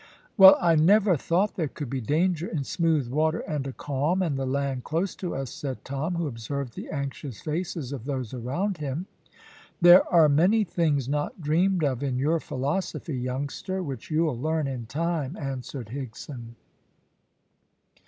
"Well, I never thought there could be danger in smooth water and a calm, and the land close to us," said Tom, who observed the anxious faces of those around him. "There are many things not dreamed of in your philosophy, youngster, which you'll learn in time," answered Higson.